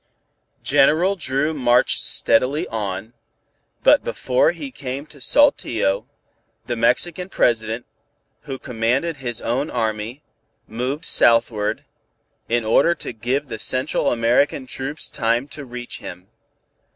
General Dru marched steadily on, but before he came to Saltillo, President Benevides, who commanded his own army, moved southward, in order to give the Central American troops time to reach him.